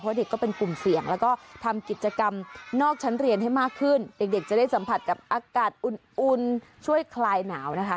เพราะเด็กก็เป็นกลุ่มเสี่ยงแล้วก็ทำกิจกรรมนอกชั้นเรียนให้มากขึ้นเด็กจะได้สัมผัสกับอากาศอุ่นช่วยคลายหนาวนะคะ